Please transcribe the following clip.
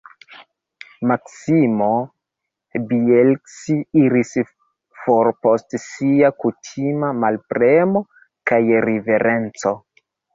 Maksimo Bjelski iris for post sia kutima manpremo kaj riverenco.